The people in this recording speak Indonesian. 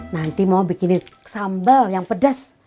nanti mau bikinin sambal yang pedas